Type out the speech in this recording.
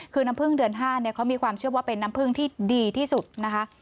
คือน้ำพึ่งเดือน๕เขามีความเชื่อว่าเป็นน้ำพึ่งที่ดีที่สุดนะคะ